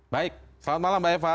baik selamat malam mbak eva